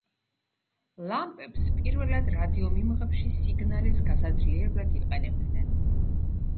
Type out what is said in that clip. ლამპებს პირველად რადიომიმღებში სიგნალის გასაძლიერებლად იყენებდნენ.